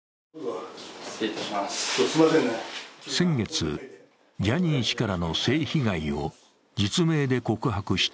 先月、ジャニー氏からの性被害を実名で告白した